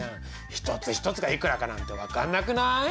一つ一つがいくらかなんて分かんなくない？